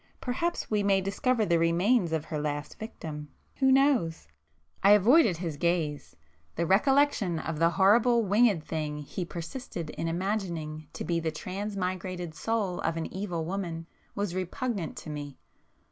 —perhaps we may discover the remains of her last victim,——who knows!" I avoided his gaze;—the recollection of the horrible winged thing he persisted in imagining to be the transmigrated soul of an evil woman, was repugnant to me.